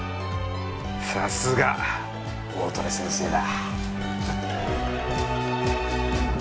さすが大利根先生だ。